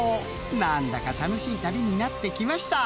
［何だか楽しい旅になってきました！］